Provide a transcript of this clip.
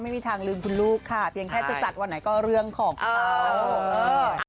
ไม่มีทางลืมคุณลูกค่ะเพียงแค่จะจัดวันไหนก็เรื่องของเขา